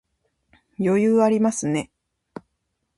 余裕ありますね